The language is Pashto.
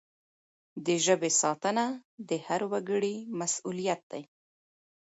د ژبي ساتنه د هر وګړي مسؤلیت دی.